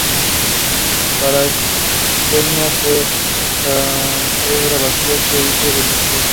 Para Spinetta "esa fue la mejor grabación que hice en mi vida".